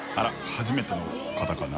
初めての方かな？